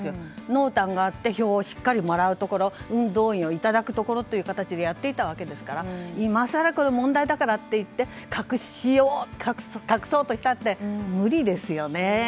濃淡があって票をしっかりもらうところ運動員をいただくところという形でやっていたわけですから今更問題だからと言って隠そうとしたって無理ですよね。